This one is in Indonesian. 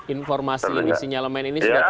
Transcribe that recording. informasi di sinyalemen ini sudah terdengar